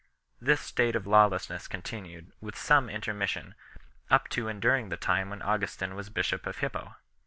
This state of lawlessness continued, with some intermission, up to and during the time when Augustin was bishop of Hippo.